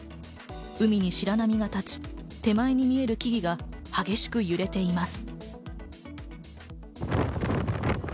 海に白波が立ち、手前に見える木々が激しく揺れています。